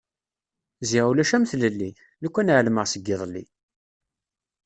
Ziɣ ulac am tlelli... lukan ɛelmeɣ seg yiḍelli!